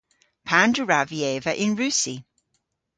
Pandr'a wrav vy eva yn Russi?